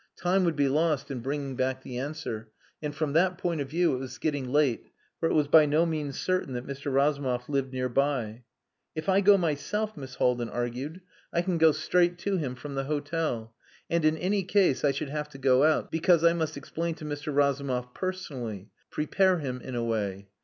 Time would be lost in bringing back the answer, and from that point of view it was getting late, for it was by no means certain that Mr. Razumov lived near by. "If I go myself," Miss Haldin argued, "I can go straight to him from the hotel. And in any case I should have to go out, because I must explain to Mr. Razumov personally prepare him in a way.